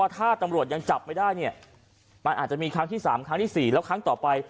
ฟังเสียงของหอหน่อยครับ